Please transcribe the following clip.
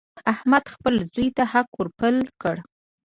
احمد خپل زوی ته حق ور پل کړ.